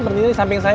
berdiri samping saya